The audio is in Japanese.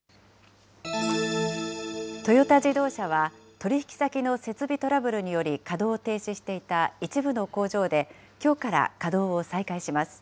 トヨタ自動車は、取り引き先の設備トラブルにより、稼働を停止していた一部の工場で、きょうから稼働を再開します。